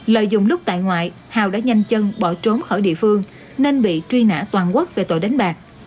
lợi dụng lúc tại ngoại hào đã nhanh chân bỏ trốn khỏi địa phương nên bị truy nã toàn quốc về tội đánh bạc